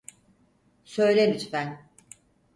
Söyle lütfen.